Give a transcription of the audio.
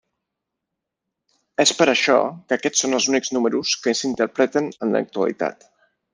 És per això que aquests són els únics números que s'interpreten en l'actualitat.